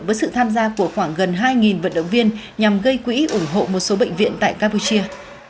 với sự tham gia của khoảng gần hai vận động viên nhằm gây quỹ ủng hộ một số bệnh viện tại campuchia